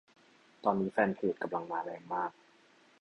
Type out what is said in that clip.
ตอนนี้แฟนเพจ กำลังมาแรงมาก